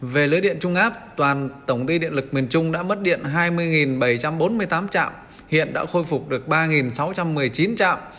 về lưới điện trung áp toàn tổng ty điện lực miền trung đã mất điện hai mươi bảy trăm bốn mươi tám trạm hiện đã khôi phục được ba sáu trăm một mươi chín chạm